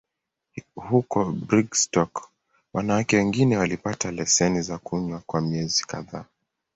Huko Brigstock, wanawake wengine walipata leseni za kunywa kwa miezi kadhaa.